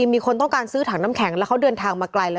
มีคนต้องการซื้อถังน้ำแข็งแล้วเขาเดินทางมาไกลเลย